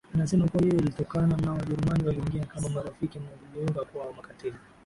Anasema kuwa hiyo ilitokana na Wajerumani waliingia kama marafiki na kugeuka kuwa makatili